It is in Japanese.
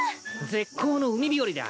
絶好の海日和だ。